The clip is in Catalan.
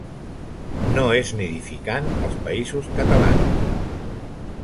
No és nidificant als Països Catalans.